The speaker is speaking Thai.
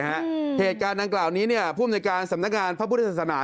เหตุการณ์ดังกล่าวนี้เนี่ยผู้อำนวยการสำนักงานพระพุทธศาสนา